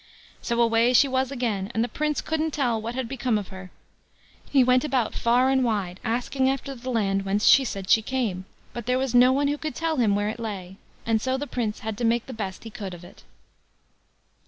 So away she was again; and the Prince couldn't tell what had become of her. He went about far and wide asking after the land whence she said she came, but there was no one who could tell him where it lay; and so the Prince had to make the best he could of it.